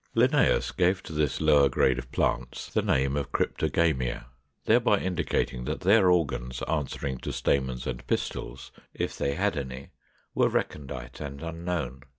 482. Linnæus gave to this lower grade of plants the name of Cryptogamia, thereby indicating that their organs answering to stamens and pistils, if they had any, were recondite and unknown.